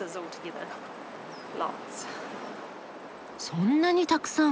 そんなにたくさん。